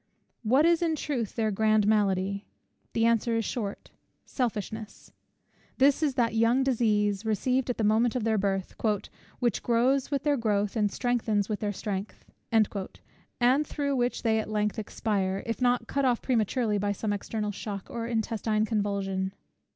What is in truth their grand malady? The answer is short; Selfishness. This is that young disease received at the moment of their birth, "which grows with their growth, and strengthens with their strength;" and through which they at length expire, if not cut off prematurely by some external shock or intestine convulsion.